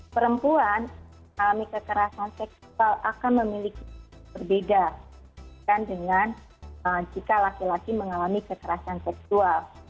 perempuan mengalami kekerasan seksual akan memiliki berbeda dengan jika laki laki mengalami kekerasan seksual